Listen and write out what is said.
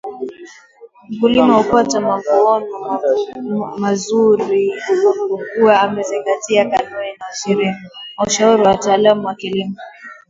Mkulima hupata mavuono mazuri anapokua amezingatia kanuni na ushauri wa wataalam wa kilimo